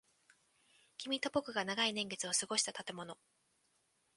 君と僕が長い年月を過ごした建物。